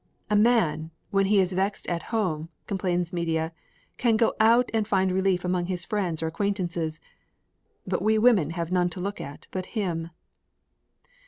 "A man, when he is vexed at home," complains Medea, "can go out and find relief among his friends or acquaintances, but we women have none to look at but him."